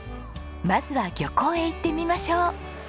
まずは漁港へ行ってみましょう。